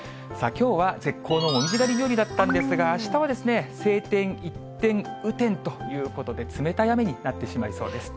きょうは絶好の紅葉狩り日和だったんですが、あしたは晴天一転、雨天ということで、冷たい雨になってしまいそうです。